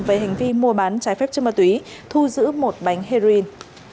về hành vi mua bán trái phép chất ma túy thu giữ một bánh heroin